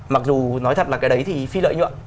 mặc dù nói thật là cái đấy thì phi lợi nhuận